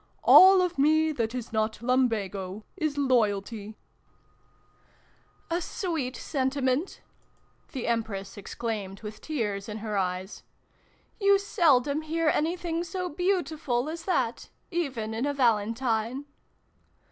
"All of me, that is not Lumbago, is Loyalty !"" A sweet sentiment !" the Empress ex claimed with tears in her eyes. "You seldom hear anything so beautiful as that even in a Valentine